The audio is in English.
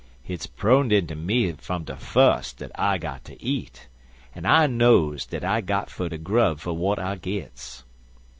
Hit's proned inter me fum de fus dat I got ter eat, en I knows dat I got fer ter grub for w'at I gits.